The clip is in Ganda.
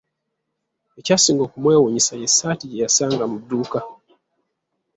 Ekyasinga okumwewuunyisa y'essaati gye yasanga mu dduuka.